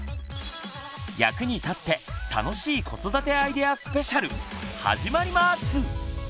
役に立って楽しい「子育てアイデアスペシャル！」始まります！